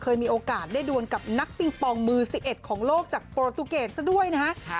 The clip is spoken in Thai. เคยมีโอกาสได้ดวนกับนักปิงปองมือ๑๑ของโลกจากโปรตูเกตซะด้วยนะฮะ